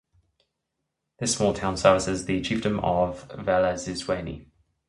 This small town services the chiefdom of Velezizweni.